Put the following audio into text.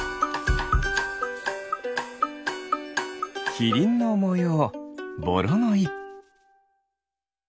キリンのもようボロノイ。